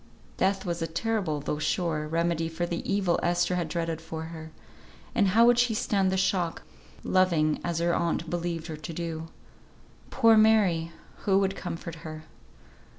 Death was a terrible, though sure, remedy for the evil Esther had dreaded for her; and how would she stand the shock, loving as her aunt believed her to do? Poor Mary! who would comfort her?